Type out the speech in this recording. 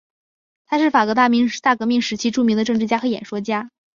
他是法国大革命时期著名的政治家和演说家。